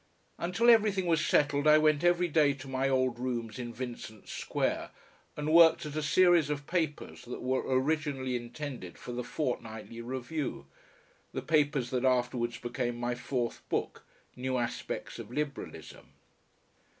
Until everything was settled I went every day to my old rooms in Vincent Square and worked at a series of papers that were originally intended for the FORTNIGHTLY REVIEW, the papers that afterwards became my fourth book, "New Aspects of Liberalism."